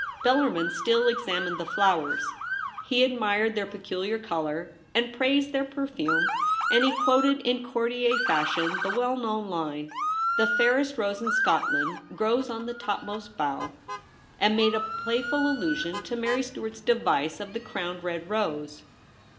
Bellarmin still examined the flowers. He admired their peculiar colour and praised their perfume, and he quoted In courtier fashion the well known line, ' The fairest rose in Scotland grows 0.1 the topmost bough,' and 278 THE REBEL ROSE. made a playful allusion to Mary Stuart's device of the crowned red rose.